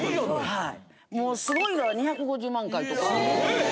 はい。